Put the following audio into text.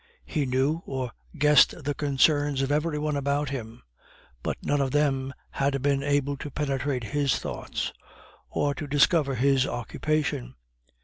He knew or guessed the concerns of every one about him; but none of them had been able to penetrate his thoughts, or to discover his occupation.